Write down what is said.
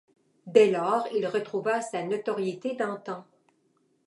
Dès lors il retrouva sa notoriété d'antan.